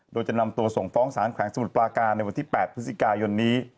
โดยจะนำตัวส่งฟ้องสารแขวงสมุทรปลาการในวันที่๘พฤศจิกายนนี้